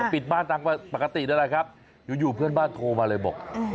ปิดบ้านตามปกตินั่นแหละครับอยู่เพื่อนบ้านโทรมาเลยบอก